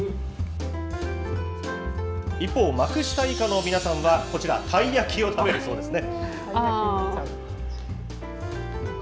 一方、幕下以下の皆さんは、こちら、たい焼きを食べるそうですね。